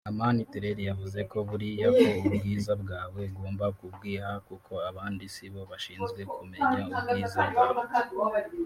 Amani Terrel yavuze ko buriya ko ubwiza bwawe ugomba kubwiha kuko abandi sibo bashinzwe kumenya ubwiza bwawe